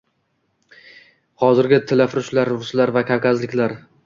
Hozirgi tillafurushlar ruslar va kavkazliklar.